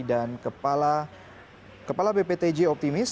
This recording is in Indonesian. dan kepala bptj optimis